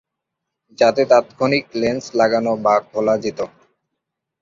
যাতে তাৎক্ষণিক ল্যান্স লাগানো বা খোলা যেত।